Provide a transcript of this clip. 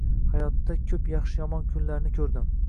Hayotda ko‘p yaxshi-yomon kunlarni ko‘rdim